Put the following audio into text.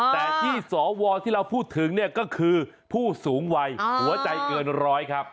แต่ที่สวที่เราพูดถึงเนี่ยก็คือผู้สูงวัยหัวใจเกินร้อยครับ